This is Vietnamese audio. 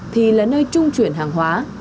thì là nơi trung chuyển hàng hóa